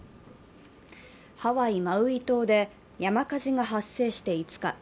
ハワイ・マウイ島で山火事が発生して５日。